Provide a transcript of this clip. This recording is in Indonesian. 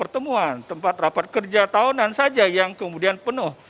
temuan tempat rapat kerja tahunan saja yang kemudian penuh